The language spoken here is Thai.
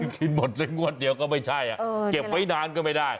กินหมดเลยงวดเดียวก็ไม่ใช่เก็บไว้นานก็ไม่ได้